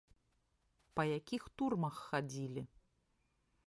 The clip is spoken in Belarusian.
Па якіх турмах хадзілі?